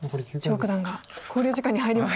張栩九段が考慮時間に入りました。